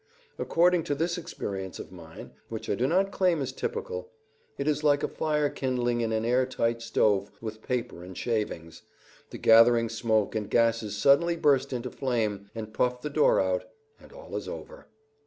According to this experience of mine, which I do not claim is typical, it is like a fire kindling in an air tight stove with paper and shavings; the gathering smoke and gases suddenly burst into flame and puff the door out, and all is over.